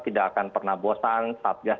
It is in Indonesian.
tidak akan pernah bosan satgas